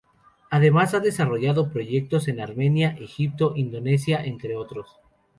Además ha desarrollado proyectos en Armenia, Egipto, Indonesia, entre otros.